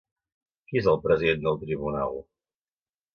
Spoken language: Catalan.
Qui és el president del tribunal?